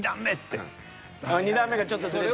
２段目がちょっとズレてる。